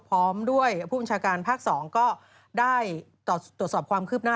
พร้อมด้วยผู้บัญชาการภาค๒ก็ได้ตรวจสอบความคืบหน้า